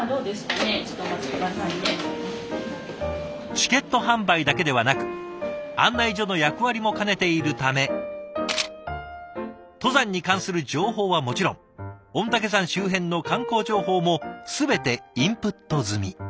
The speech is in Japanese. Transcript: チケット販売だけではなく案内所の役割も兼ねているため登山に関する情報はもちろん御嶽山周辺の観光情報も全てインプット済み。